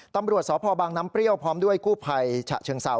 ตำรวจสพบางน้ำเปรี้ยวพร้อมด้วยกู้ภัยฉะเชิงเซา